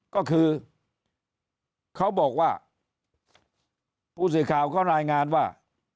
ก็คือเขาบอกว่าผู้สื่อข่าวบอกว่า